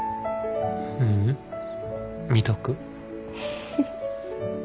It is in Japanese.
ううん見とく。